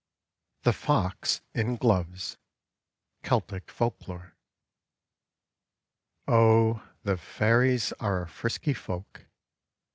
THE FOX IN GLOVES Celtic Folklore OH! the Fairies are a frisky folk.